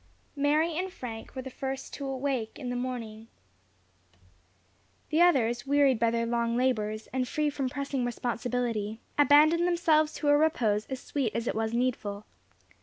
Mary and Frank were the first to awake in the morning. The others, wearied by their long labours, and free from pressing responsibility, abandoned themselves to a repose as sweet as it was needful.